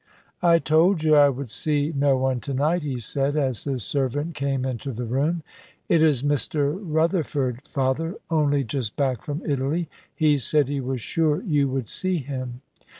"I told you I would see no one to night," he said, as his servant came into the room. "It is Mr. Rutherford, Father, only just back from Italy. He said he was sure you would see him."